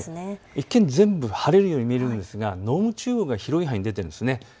一見、全部晴れるように見えますが濃霧注意報が広い範囲で出ているんです。